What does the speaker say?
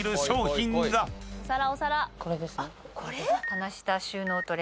これですね。